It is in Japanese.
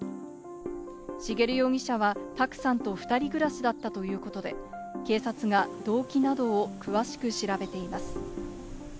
茂容疑者は卓さんと２人暮らしだったということで、警察が動機などを詳しく調べています。